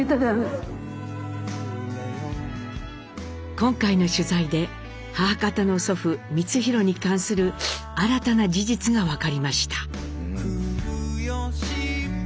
今回の取材で母方の祖父光宏に関する新たな事実が分かりました。